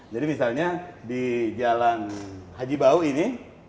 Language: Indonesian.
jadi misalnya di jalan haji baw ini